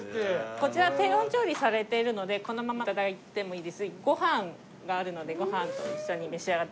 こちら低温調理されているのでこのまま頂いてもいいですしご飯があるのでご飯と一緒に召し上がって頂くのもおすすめ。